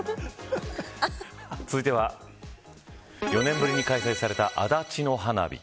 続いては４年ぶりに開催された足立の花火。